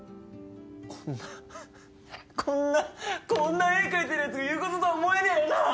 こんなこんなこんな絵描いてるやつが言うこととは思えねえよな。